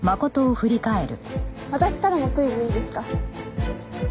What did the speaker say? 私からもクイズいいですか？